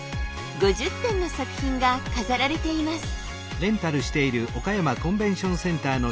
５０点の作品が飾られています。